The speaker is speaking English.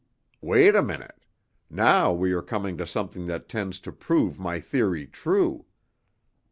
"Wait a minute. Now we are coming to something that tends to prove my theory true.